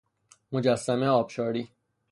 مجسمه آبشاری